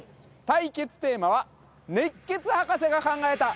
対決テーマは熱血ハカセが考えた。